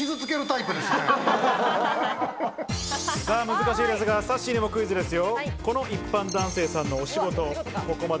難しいですが、さっしーにもクイズですよ。